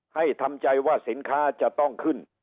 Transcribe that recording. ทำใจว่าสินค้าจะต้องขึ้น